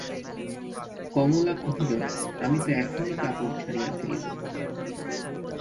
কমলা কহিল, আমি তো এখনি কাপড় ছাড়িয়া ফেলিব।